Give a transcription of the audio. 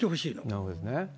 なるほどですね。